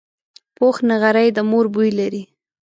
پوخ نغری د مور بوی لري